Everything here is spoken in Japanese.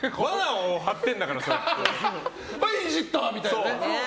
はい、イジった！みたいなね。